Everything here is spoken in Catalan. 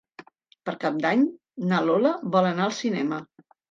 Per Cap d'Any na Lola vol anar al cinema.